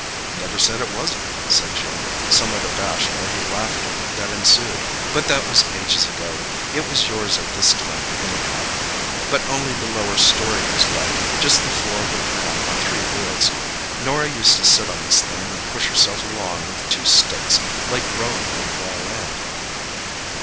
"Never said it wasn't," said Jim somewhat abashed by the laughter that ensued. "But that was ages ago. It was yours at this time, anyhow. But only the lower storey was left—just the floor of the pram on three wheels. Norah used to sit on this thing and push herself along with two sticks, like rowing on dry land."